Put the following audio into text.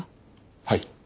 はい。